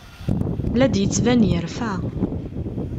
La d-yettban yerfa.